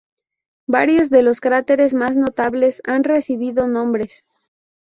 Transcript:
Varios de los cráteres más notables han recibido nombres.